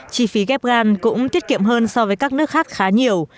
chi phí ghép gan cũng tiết kiệm hơn so với các nước khác khá nhiều